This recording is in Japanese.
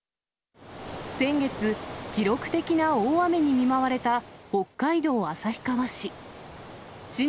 先月、記録的な大雨に見舞われた北海道旭川市。